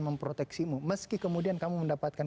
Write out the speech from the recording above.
memproteksimu meski kemudian kamu mendapatkan